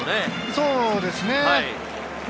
そうですね。